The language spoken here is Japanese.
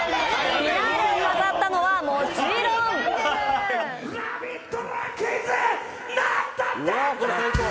フィナーレを飾ったのは、もちろんラヴィット！！